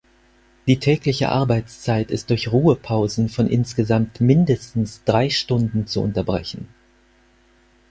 Die tägliche Arbeitszeit ist durch Ruhepausen von insgesamt mindestens drei Stunden zu unterbrechen.